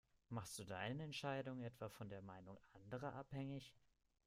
Machst du deine Entscheidung etwa von der Meinung anderer abhängig?